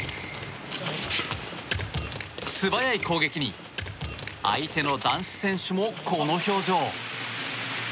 素早い攻撃に、相手の男子選手もこの表情。